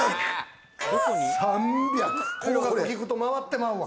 高額聞くと回ってまうわ。